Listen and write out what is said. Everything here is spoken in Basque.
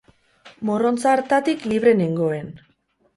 Morrontza hartatik libre nengoen.